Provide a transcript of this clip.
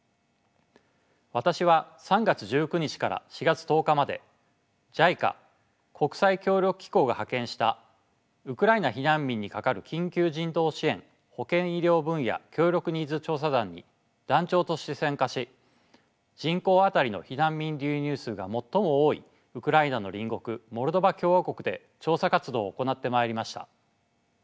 私は３月１９日から４月１０日までＪＩＣＡ国際協力機構が派遣した「ウクライナ避難民に係る緊急人道支援・保健医療分野協力ニーズ調査団」に団長として参加し人口当たりの避難民流入数が最も多いウクライナの隣国モルドバ共和国で調査活動を行ってまいりました。